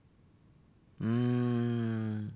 うん。